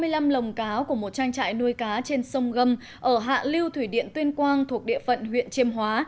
ba mươi năm lồng cáo của một tranh trại nuôi cá trên sông gâm ở hạ lưu thủy điện tuyên quang thuộc địa phận huyện chiêm hóa